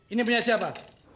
ini punya siapa